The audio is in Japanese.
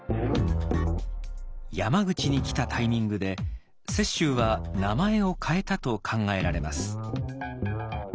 山口に来たタイミングで雪舟は名前を変えたと考えられます。